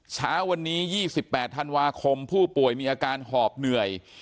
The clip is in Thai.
เช้าวันนี้๒๘ธันวาคมผู้ป่วยมีอาการหอบเหนื่อย